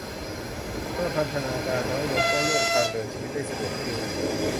เมื่อพันธนาการน้อยลง ก็เลือกทางเดินชีวิตได้สะดวกขึ้น